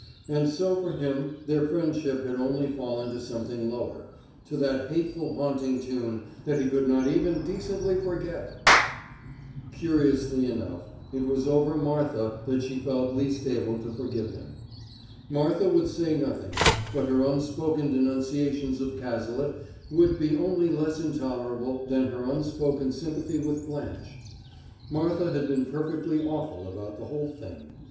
And so for him their friendship had only fallen to something lower, to that hateful haunting tune that he could not even decently forget! Curiously enough, it was over Martha that she felt least able to forgive him. Martha would say nothing, but her unspoken denunciations of Cazalet would be only less intolerable than her unspoken sympathy with Blanche. Martha had been perfectly awful about the whole thing.